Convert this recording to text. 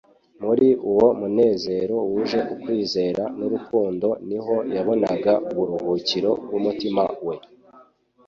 muri uwo munezero wuje ukwizera n'urukundo niho yabonaga uburuhukiro bw'umutima we,